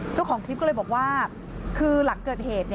เจ้าของคลิปก็เลยบอกว่าคือหลังเกิดเหตุ